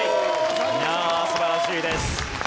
いやあ素晴らしいです。